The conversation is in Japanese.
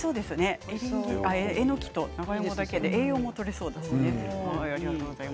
えのきと長芋だけで栄養もとれそうですね。